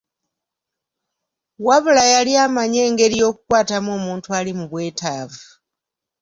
Wabula yali amanyi engeri y'okukwatamu omuntu ali mu bwetaavu.